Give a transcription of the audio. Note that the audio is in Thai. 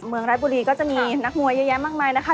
เมืองรายบุรีก็จะมีนักมวยเยอะมากมายนะคะ